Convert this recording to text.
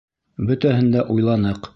Бөтәһен дә уйланыҡ.